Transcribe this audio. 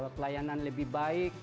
pelayanan lebih baik